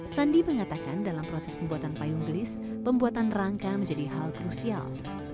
sandi mengatakan dalam proses pembuatan payung gelis pembuatan rangka menjadi hal krusial